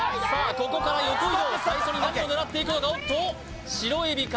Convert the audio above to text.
ここから横移動最初に何を狙っていくのかおっとシロエビか？